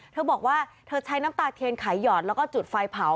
เธอบอกว่าเธอใช้น้ำตาเทียนไขหอดแล้วก็จุดไฟเผา